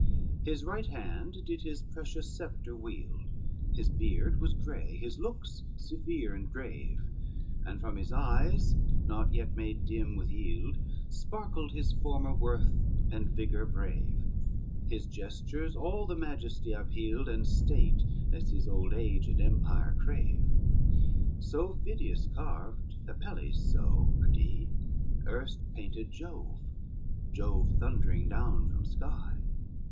XI His right hand did his precious sceptre wield, His beard was gray, his looks severe and grave, And from his eyes, not yet made dim with eild, Sparkled his former worth and vigor brave, His gestures all the majesty upheild And state, as his old age and empire crave, So Phidias carved, Apelles so, pardie, Erst painted Jove, Jove thundering down from sky.